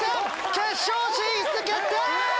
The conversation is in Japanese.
決勝進出決定！